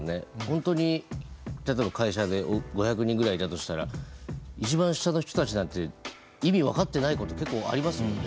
本当に例えば会社で５００人ぐらいいたとしたら一番下の人たちなんて意味分かってないこと結構ありますもんね。